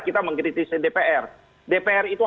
kita mengkritisi dpr dpr itu